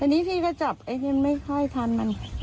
อันนี้พี่ก็จับไอ้เงินไม่ค่อยทันมัน